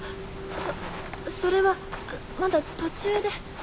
そっそれはまだ途中で。